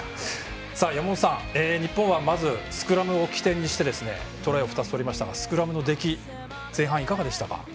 山本さん、日本はまずスクラムを起点にしてトライを２つ取りましたがスクラムの出来前半、いかがでしたか？